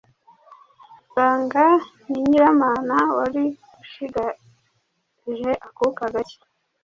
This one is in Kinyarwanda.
asanga ni Nyiramana wari ushigaje akuka gake